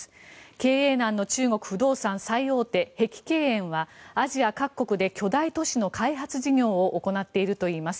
経営難の中国不動産最大手、碧桂園はアジア各国で巨大都市の開発事業を行っているといいます。